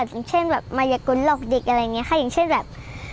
อย่างเช่นแบบมายกุลหลอกเด็กอะไรอย่างนี้ค่ะอย่างเช่นแบบ